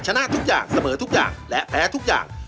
ชนะทุกอย่างเสมอทุกอย่างและแพ้ทุกอย่าง